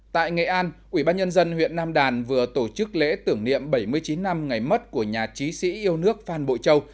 tại nghệ an ubnd huyện nam đàn vừa tổ chức lễ tưởng niệm bảy mươi chín năm ngày mất của nhà trí sĩ yêu nước phan bội châu